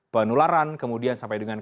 penularan kemudian sampai dengan